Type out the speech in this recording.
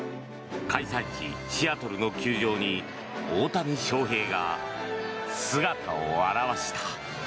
開催地シアトルの球場に大谷翔平が姿を現した。